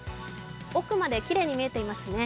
奥まできれいに見えていますね。